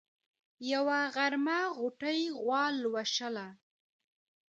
يوه غرمه غوټۍ غوا لوشله.